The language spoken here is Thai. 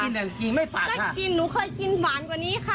นี่ไงนี่ไงกินไม่ฝาดค่ะก็กินหนูเคยกินหวานกว่านี้ค่ะ